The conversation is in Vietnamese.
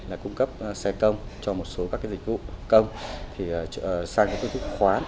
là cung cấp xe công cho một số các cái dịch vụ công thì sang cái phương thức khoán